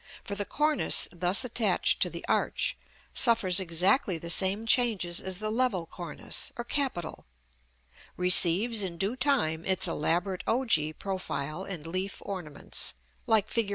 For the cornice, thus attached to the arch, suffers exactly the same changes as the level cornice, or capital; receives, in due time, its elaborate ogee profile and leaf ornaments, like Fig.